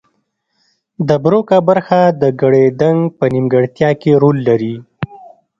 د بروکا برخه د ګړیدنګ په نیمګړتیا کې رول لري